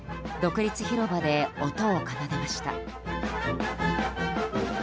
独立広場で音を奏でました。